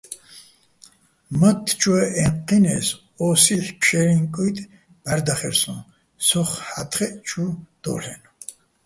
მათთ ჩუაჸ ე́ჴჴინეს, ოსი́ჰ̦ ფშე́ლიჼ კუჲტი̆ ბღარდახერსოჼ სოხ ჰ̦ა́თხეჸ ჩუ დო́ლ'ენო̆.